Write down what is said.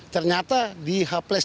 ternyata di haples tiga